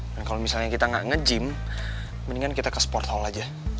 dan kalau misalnya kita gak nge gym mendingan kita ke sport hall aja